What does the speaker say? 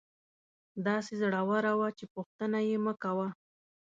داسې زړوره وه چې پوښتنه یې مکوه.